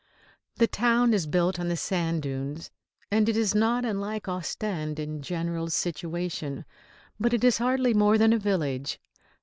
The town is built on the sand dunes, and is not unlike Ostend in general situation; but it is hardly more than a village.